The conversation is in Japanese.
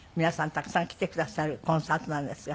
たくさん来てくださるコンサートなんですが。